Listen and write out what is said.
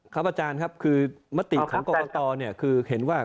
ครับอาจารย์ครับคือมติของกรกตเนี่ยคือเห็นว่า